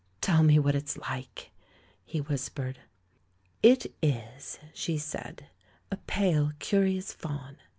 "Tell me what it's like," he whispered. "It is," she said, "a pale, curious fawn.